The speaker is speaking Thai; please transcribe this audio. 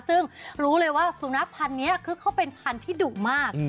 ซึ่งรู้เลยว่าสุนัขพันธ์นี้คือเขาเป็นพันธุ์ที่ดุมาก